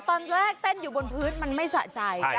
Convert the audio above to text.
ตอนแรกเต้นอยู่บนพื้นมันไม่สะใจ